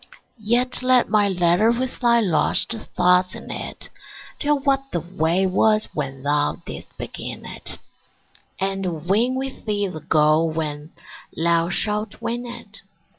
Yet let my letter with thy lost thoughts in it Tell what the way was when thou didst begin it, And win with thee the goal when thou shalt win it.